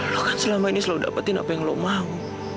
lo kan selama ini selalu dapetin apa yang lo mau